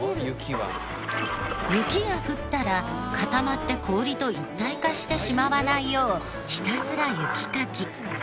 雪が降ったら固まって氷と一体化してしまわないようひたすら雪かき。